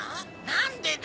何でだ。